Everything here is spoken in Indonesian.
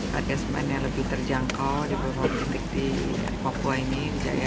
harga semen yang lebih terjangkau di beberapa titik di papua ini